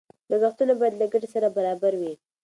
لګښتونه باید له ګټې سره برابر وي.